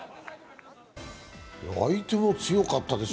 相手も強かったでしょ。